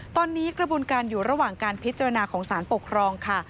ตอนนี้กระบวนการอยู่ระหว่างการพิจารณาของสารปกครองค่ะ